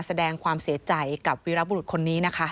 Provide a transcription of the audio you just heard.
แสดงความเสียใจกับวีรบุรุษคนนี้นะคะ